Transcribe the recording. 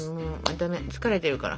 ダメ疲れてるから。